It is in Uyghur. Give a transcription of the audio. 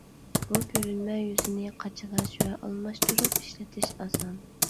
بۇ كۆرۈنمە يۈزىنى قاچىلاش ۋە ئالماشتۇرۇپ ئىشلىتىش ئاسان.